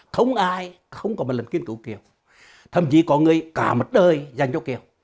không ai không có một lần kiên cứu kiều thậm chí có người cả mặt đời dành cho kiều